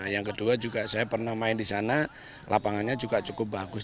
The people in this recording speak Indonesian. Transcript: yang kedua juga saya pernah main di sana lapangannya juga cukup bagus